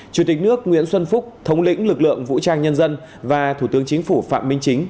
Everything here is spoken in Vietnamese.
chủ tịch nước nguyễn xuân phúc thống lĩnh lực lượng vũ trang nhân dân và thủ tướng chính phủ phạm minh chính